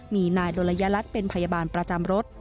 มีนายดลยรัฐเป็นพยาบาลประจำรถ